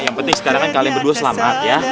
yang penting sekarang kan kalian berdua selamat ya